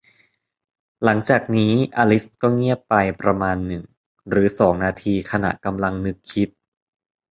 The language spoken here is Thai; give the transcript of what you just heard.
หลังจากนี้ อลิซก็เงียบไปประมาณหนึ่งหรือสองนาที ขณะกำลังนึกคิด